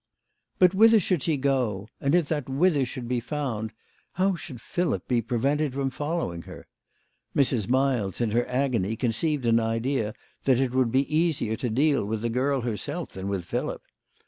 But whither should she go, and if that "whither" should be found, how should Philip be prevented from following her ? Mrs. Miles, in her agony, conceived an idea that it would be easier to deal with the girl herself than with Philip.